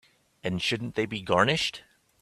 And shouldn't they be garnished?